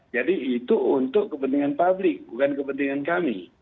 jadi itu untuk kepentingan publik bukan kepentingan kami